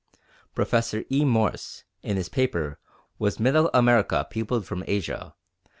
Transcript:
Professor E. Morse, in his paper _Was Middle America Peopled from Asia?